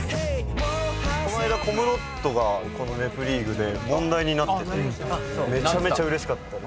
この間コムドットがこの『ネプリーグ』で問題になっててめちゃめちゃうれしかったです。